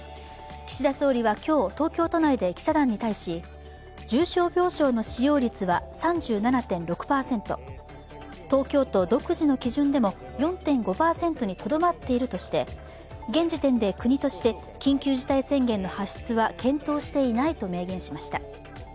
岸田総理は今日、東京都内で記者団に対し重症病床の使用率は３７．６％、東京都独自の基準でも４．５％にとどまっているとして、現時点で国として緊急事態宣言の発出は検討していないと明言しました。